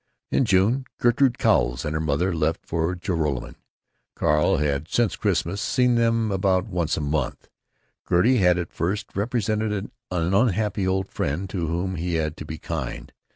In June Gertrude Cowles and her mother left for Joralemon. Carl had, since Christmas, seen them about once a month. Gertie had at first represented an unhappy old friend to whom he had to be kind.